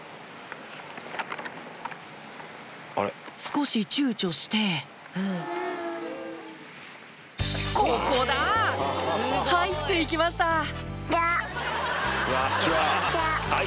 少しちゅうちょして「ここだ！」入って行きました「ちは」！